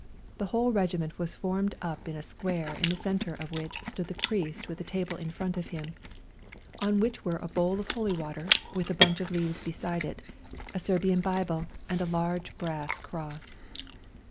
The whole regi ment was formed up in a square in the centre of which stood the priest with a table in front of him, on which were a bowl of holy water, with a bunch of leaves 192 WE GO TO CORFU 193 beside it, a Serbian Bible, and a large brass cross.